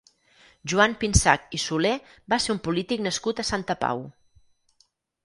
Joan Pinsach i Solé va ser un polític nascut a Santa Pau.